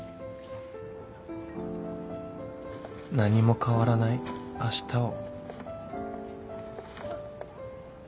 何も変わらない明日を